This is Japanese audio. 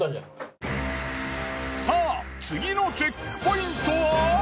さあ次のチェックポイントは？